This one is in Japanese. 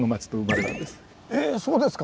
えっそうですか！